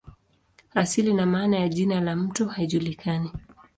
Asili na maana ya jina la mto haijulikani.